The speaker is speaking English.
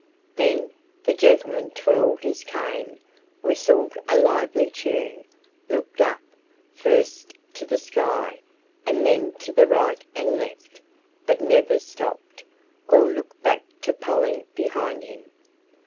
Then the gentleman twirled his cane, whistled a lively tune, looked up, first to the sky, and then to the right and left, but never stopped, or looked back to Polly behind him.